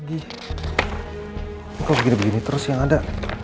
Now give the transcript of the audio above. ini kok gini gini terus yang ada